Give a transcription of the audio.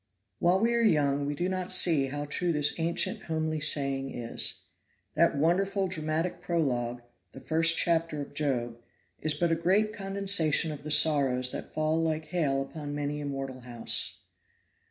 While we are young we do not see how true this ancient homely saying is. That wonderful dramatic prologue, the first chapter of Job, is but a great condensation of the sorrows that fall like hail upon many a mortal house.